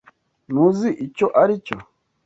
Ntuzi icyo aricyo?